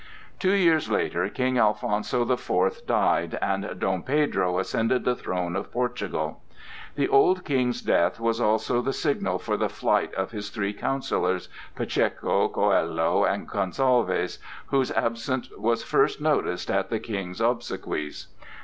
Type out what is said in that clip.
Two years later, King Alfonso the Fourth died, and Dom Pedro ascended the throne of Portugal. The old King's death was also the signal for the flight of his three counsellors, Pacheco, Coello, and Gonsalvez, whose absence was first noticed at the King's obsequies.